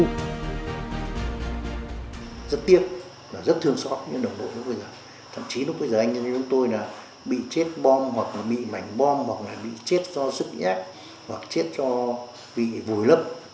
rất tiếc rất thương xót những đồng đội lúc bây giờ thậm chí lúc bây giờ anh em chúng tôi là bị chết bom hoặc là bị mảnh bom hoặc là bị chết do sức nhát hoặc chết do bị vùi lấp